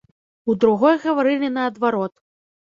У другой гаварылі наадварот.